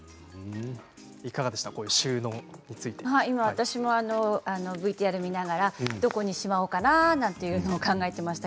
私もＶＴＲを見ながらどこにしまおうかなと考えていました。